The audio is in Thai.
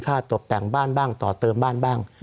สวัสดีครับทุกคน